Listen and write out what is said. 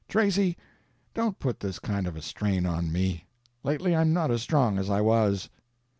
Tracy, don't put this kind of a strain on me. Lately I'm not as strong as I was."